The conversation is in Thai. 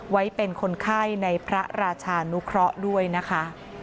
ไว้เป็นคนไข้ในพระราชานุเคราะห์ด้วยนะคะ